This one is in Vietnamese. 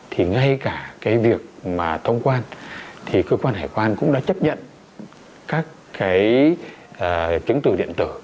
thì ngay cả cái việc mà thông quan thì cơ quan hải quan cũng đã chấp nhận các cái chứng từ điện tử